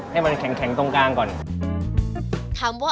ให้มันแข็งตรงกลางก่อน